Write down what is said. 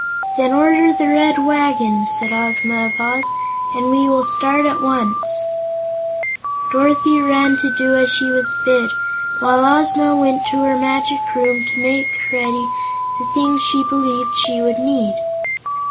"Then order the Red Wagon," said Ozma of Oz, "and we will start at once." Dorothy ran to do as she was bid, while Ozma went to her Magic Room to make ready the things she believed she would need.